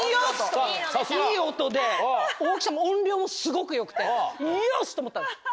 いい音で音量もすごく良くてよし！と思ったんです。